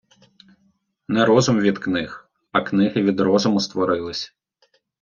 Не розум від книг, а книги від розуму створились.